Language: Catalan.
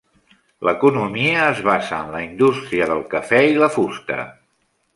L'economia es basa en la indústria del cafè i la fusta.